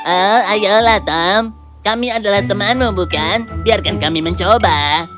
oh ayolah tom kami adalah temanmu bukan biarkan kami mencoba